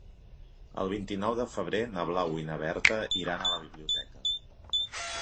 El vint-i-nou de febrer na Blau i na Berta iran a la biblioteca.